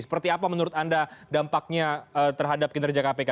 seperti apa menurut anda dampaknya terhadap kinerja kpk